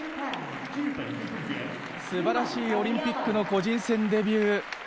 すばらしいオリンピックの個人戦デビュー。